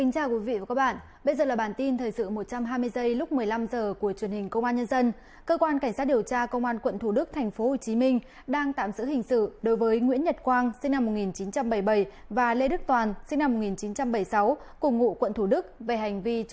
cảm ơn các bạn đã theo dõi